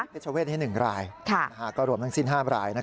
เทศเวทนี้๑รายก็รวมทั้งสิ้น๕ราย